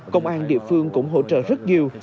công an địa phương cũng hỗ trợ rất nhiều